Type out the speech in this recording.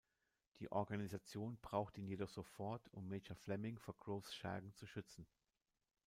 Die Organisation braucht ihn jedoch sofort, um Major Fleming vor Groves Schergen zu schützen.